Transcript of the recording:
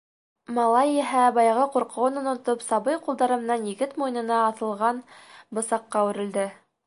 Малай иһә, баяғы ҡурҡыуын онотоп, сабый ҡулдары менән егет муйынына аҫылған бысаҡҡа үрелде.